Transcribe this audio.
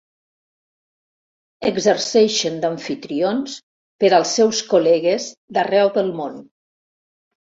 Exerceixen d'amfitrions per als seus col·legues d'arreu del món.